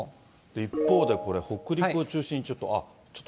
一方でこれ、北陸を中心にちょっと。